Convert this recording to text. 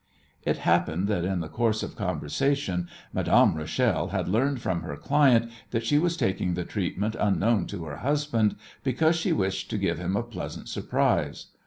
It happened that in the course of conversation Madame Rachel had learned from her client that she was taking the treatment unknown to her husband because she wished to give him a pleasant surprise.